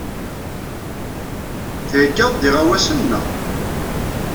Theyyaḍ-d iɣawasen, naɣ?